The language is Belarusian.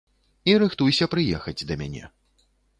І рыхтуйся прыехаць да мяне.